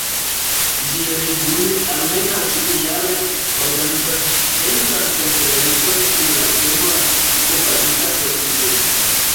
Ĝi regule, almenaŭ ĉiujare, organizas sciencan konferencon pri la temo "la scio-bazita socio".